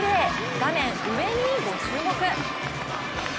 画面上にご注目。